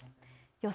予想